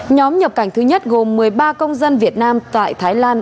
nhóm nhập cảnh thứ nhất gồm một mươi ba công dân việt nam tại thái lan